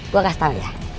gue kasih tau ya